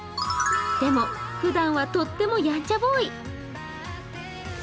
でも、ふだんはとってもやんちゃボーイ。